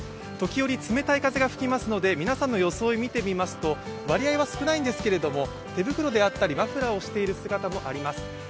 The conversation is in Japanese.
時折冷たい風が吹きますので皆さんの装い見てみますと割合は少ないんですけれども、手袋であったりマフラーをしている姿もあります